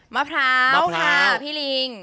มะพร้าวค่ะพี่ลิง